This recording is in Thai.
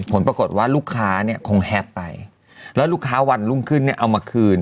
ผลปรากฏว่าลูกค้าเนี่ยคงแฮปไปแล้วลูกค้าวันรุ่งขึ้นเนี่ยเอามาคืน